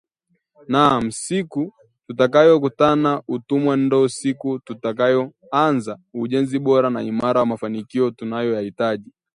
Naam! Siku tutakayoukataa utumwa, nd’o siku tutakayoanza ujenzi bora na imara wa mafanikio tunayoyahitaji